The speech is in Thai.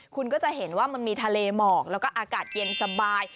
คุณก็จะเห็นว่ามันมีทะเลหมอกแล้วก็อากาศเย็นสบาย